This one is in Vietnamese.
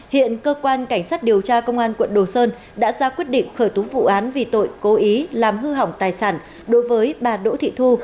hiện cơ quan cảnh sát điều tra công an quận đồ sơn đã ra quyết định khởi tố vụ án vì tội cố ý làm hư hỏng tài sản đối với bà đỗ thị thu